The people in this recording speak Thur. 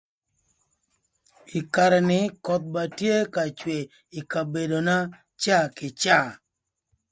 Ï karë ni köth ba tye ka cwe ï kabedona caa kï caa.